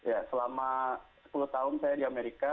ya selama sepuluh tahun saya di amerika